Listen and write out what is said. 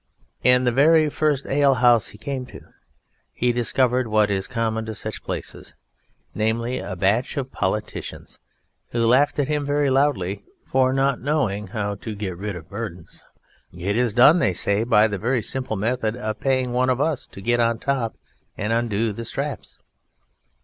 In the very first ale house he came to he discovered what is common to such places, namely, a batch of politicians, who laughed at him very loudly for not knowing how to get rid of burdens. "It is done," they said, "by the very simple method of paying one of us to get on top and undo the straps."